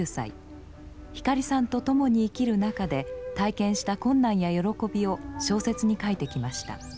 光さんと共に生きる中で体験した困難や喜びを小説に書いてきました。